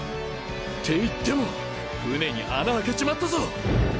っていっても船に穴開けちまったぞ。